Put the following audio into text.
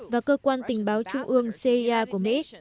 và cơ quan tình báo trung ương cia của mỹ